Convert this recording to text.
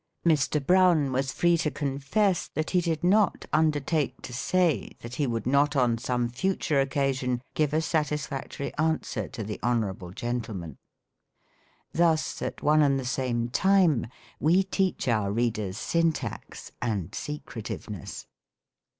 " Mr. Brown was free to confess that he did not undertake to say that he would not, on some future occasion give a satisfactory answer to the honorable gentleman." Thus, at one and the same time, we teach our read ers Syntax and secretiveness.